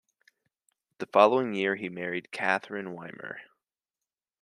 The following year he married Katherine Wimmer.